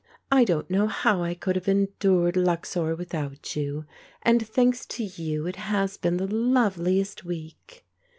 "I don't know how I could have endured Luxor without you ; and, thanks to you, it has been the loveliest week."